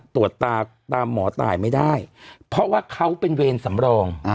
ตามหมอตายไม่ได้เพราะว่าเขาเป็นเวรสำรอง